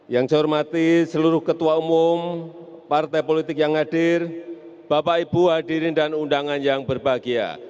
yang saya hormati seluruh ketua umum partai politik yang hadir bapak ibu hadirin dan undangan yang berbahagia